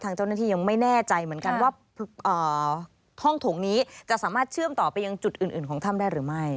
เจ้าหน้าที่ยังไม่แน่ใจเหมือนกันว่าห้องถงนี้จะสามารถเชื่อมต่อไปยังจุดอื่นของถ้ำได้หรือไม่